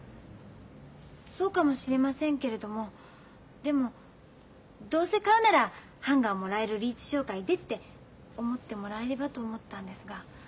そうかもしれませんけれどもでもどうせ買うならハンガーもらえるリーチ商会でって思ってもらえればと思ったんですが。